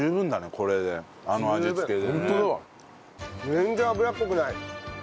全然脂っこくない。